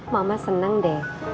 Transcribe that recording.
mama seneng deh